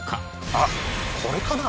あっこれかな？